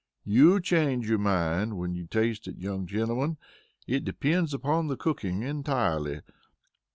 "You'll change your mind when you taste it, young gentlemen. It depends upon the cooking entirely.